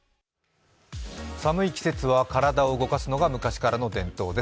寒い季節は体を動かすのが昔からの伝統です。